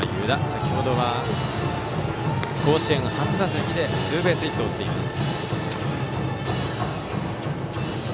先程は甲子園初打席でツーベースヒットを打っています。